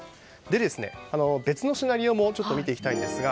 別のシナリオも見ていきたいんですが